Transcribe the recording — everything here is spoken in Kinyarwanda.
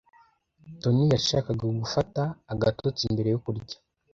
Toni yashakaga gufata agatotsi mbere yo kurya.